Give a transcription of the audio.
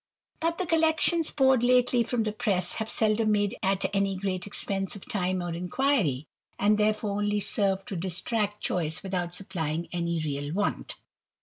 But the collections poured lately from the press have seldom made at any great expence of time or inquiry, an J * Note XXXV., Appendix. THE IDLER. 331 therefore only serve to distract choice without supplying any real want.